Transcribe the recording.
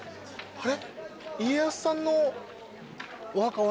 あれ？